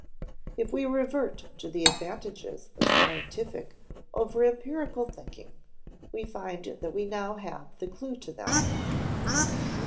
If we revert to the advantages of scientific over empirical thinking, we find that we now have the clue to them.